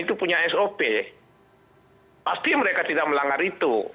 tidak ada lagi